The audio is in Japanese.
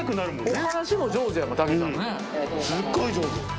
すっごい上手。